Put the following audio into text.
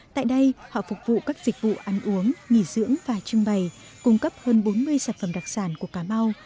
tại đây họ phục vụ các dịch vụ ăn uống nghỉ dưỡng và trưng bày cung cấp hơn bốn mươi sản phẩm đặc sản của cà mau